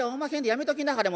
やめときなはれ。